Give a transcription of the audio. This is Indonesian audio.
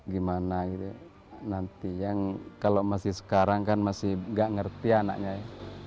gimana gitu nanti yang kalau masih sekarang kan masih gak ngerti anaknya ya